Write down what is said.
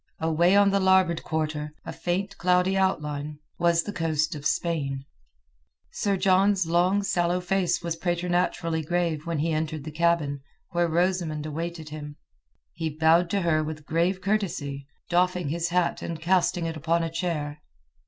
Away on the larboard quarter, a faint cloudy outline, was the coast of Spain. Sir John's long sallow face was preternaturally grave when he entered the cabin, where Rosamund awaited him. He bowed to her with a grave courtesy, doffing his hat and casting it upon a chair.